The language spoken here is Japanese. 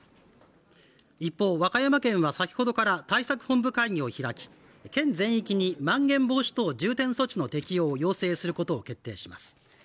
一方、和歌山県は先ほどから対策本部会議を開き県全域にまん延防止等重点措置の適用を要請することを決定します